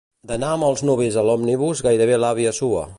D'anar amb els nuvis a l'òmnibus gairebé l'àvia sua.